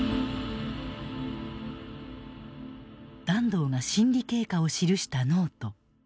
團藤が審理経過を記したノート。